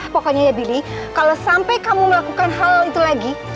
pokoknya ya billy kalau sampai kamu melakukan hal itu lagi